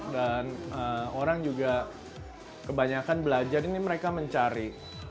dan orang juga kebanyakan belajar ini mereka mencari